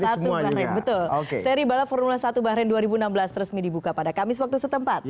betul seri balap formula satu bahrain dua ribu enam belas resmi dibuka pada kamis waktu setempat